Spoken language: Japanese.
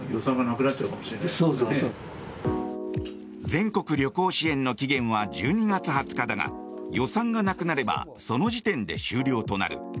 全国旅行支援の期限は１２月２０日だが予算がなくなればその時点で終了となる。